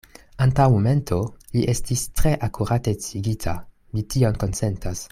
Antaŭ momento vi estis tre akurate sciigita; mi tion konsentas.